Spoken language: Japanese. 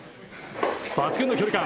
抜群の距離感。